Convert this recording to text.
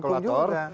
itu ranah hukum juga